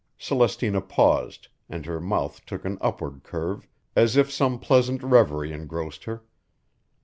Celestina paused, and her mouth took an upward curve, as if some pleasant reverie engrossed her.